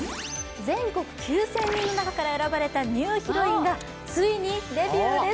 全国９０００人の中から選ばれたニューヒロインがついにデビューです。